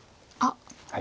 あっ！